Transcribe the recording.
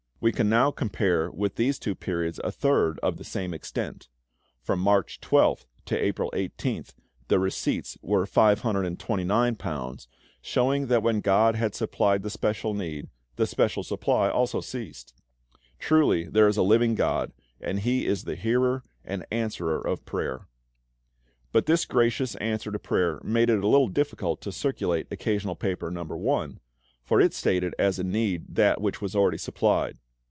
"We can now compare with these two periods a third of the same extent. From March 12th to April 18th the receipts were £529, showing that when GOD had supplied the special need, the special supply also ceased. Truly there is a LIVING GOD, and HE is the hearer and answerer of prayer." But this gracious answer to prayer made it a little difficult to circulate "Occasional Paper, No. I.," for it stated as a need that which was already supplied.